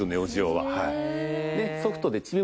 はい。